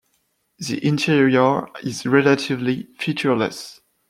The interior is relatively featureless.